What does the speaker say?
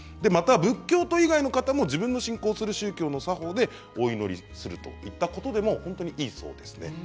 仏教徒以外の方も自分の信仰する宗教の作法でお祈りするといったことでも本当にいいそうです。